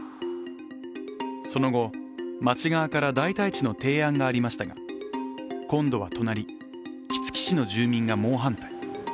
その後、町側から代替地の提案がありましたが今度は隣・杵築市の住民が猛反対。